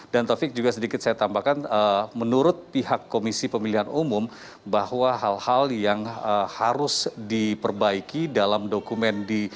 dan taufik juga sedikit saya tambahkan menurut pihak komisi pemilihan umum bahwa hal hal yang harus diperbaiki dalam dokumen